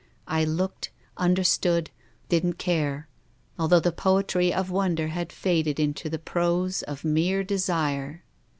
I looked, understood, didn't care ; although the poetry of wonder had faded into the prose of mere desire.